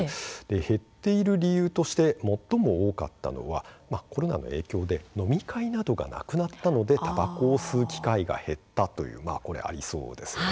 減っている理由として最も多かったのはコロナの影響で飲み会などがなくなったのでたばこを吸う機会が減ったということがありそうですね